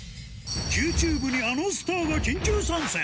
ＱＴｕｂｅにあのスターが緊急参戦。